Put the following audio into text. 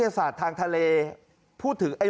โอ้โฮมาเรื่อย